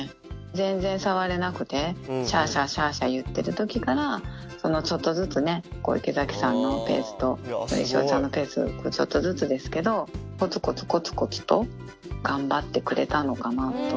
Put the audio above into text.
全然触れなくて、しゃーしゃーしゃーしゃー言ってるときから、ちょっとずつね、池崎さんのペースと、のりしおちゃんのペース、ちょっとずつですけど、こつこつこつこつと頑張ってくれたのかなと。